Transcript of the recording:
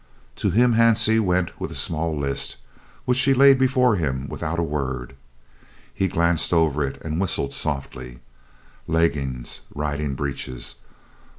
To him Hansie went with a small list, which she laid before him without a word. He glanced over it and whistled softly. "Leggings? Riding breeches?